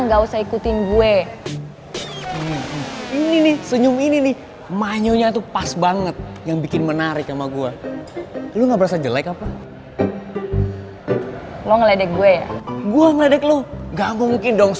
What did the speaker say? gue mau ke perpustakaan